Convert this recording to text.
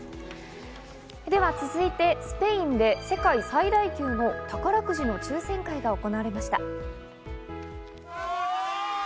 では続いて、スペインで世界最大級の宝くじの抽選会が行われました。